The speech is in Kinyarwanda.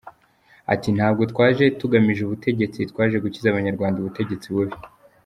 Ati “Ntabwo twaje tugamije ubutegetsi, twaje gukiza Abanyarwanda ubutegetsi bubi.